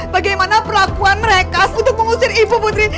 bagaimana perlakuan mereka untuk mengusir ibu putri